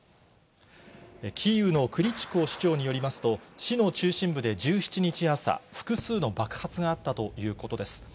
キーウのクリチコ市長によりますと、市の中心部で１７日朝、複数の爆発があったということです。